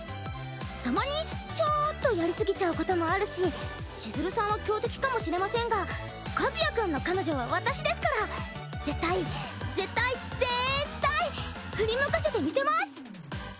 たまにちょっとやり過ぎちゃうこともあるし千鶴さんは強敵かもしれませんが和也君の彼女は私ですから絶対絶対ぜったい振り向かせてみせます！